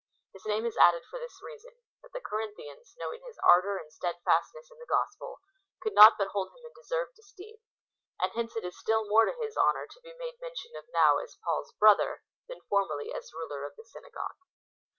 His name is added for this reason, that the Corinthians, knowing his ardour and steadfastness in the gospel, could not but hold him in deserved esteem, and hence it is still more to his honour to be made mention of now as Paul's brother, than formerly as rider of the synagogue.